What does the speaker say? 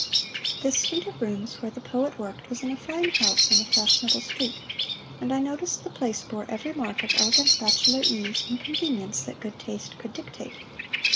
This suite of rooms, where the poet worked, was in a fine house on a fashionable street, and I noticed the place bore every mark of elegant bachelor ease and convenience that good taste could dictate.